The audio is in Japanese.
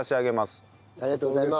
ありがとうございます。